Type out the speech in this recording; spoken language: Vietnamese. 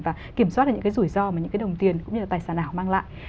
và kiểm soát được những cái rủi ro mà những cái đồng tiền cũng như là tài sản ảo mang lại